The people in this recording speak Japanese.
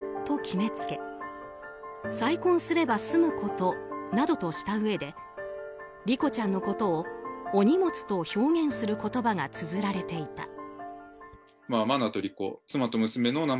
裁判をお金や反響目当てと決めつけ再婚すれば済むことなどとしたうえで莉子ちゃんのことをお荷物と表現する言葉がつづられていた。